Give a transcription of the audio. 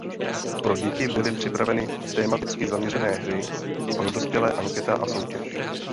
Pro děti byly připraveny tematicky zaměřené hry a pro dospělé anketa a soutěž.